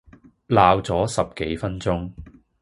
鬧左十幾分鐘